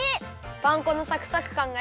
パン粉のサクサクかんがいい！